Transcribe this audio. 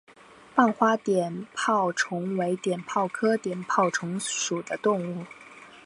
棒花碘泡虫为碘泡科碘泡虫属的动物。